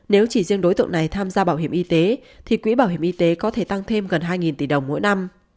nếu chỉ riêng đối tượng này tham gia bảo hiểm y tế thì quỹ bảo hiểm y tế có thể tăng thêm gần hai tỷ đồng mỗi năm